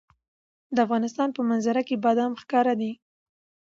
د افغانستان په منظره کې بادام ښکاره ده.